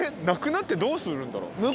なくなってどうするんだろう。